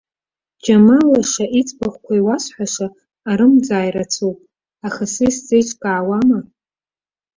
Џьамал лаша иӡбахәқәа иуасҳәаша арымӡаа ирацәоуп, аха са исзеиҿкаауама?